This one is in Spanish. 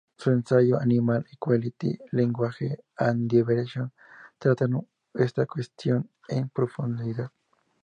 Su ensayo "Animal Equality: Language and Liberation" trata esta cuestión en profundidad.